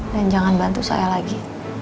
dan jangan bantu saya lagi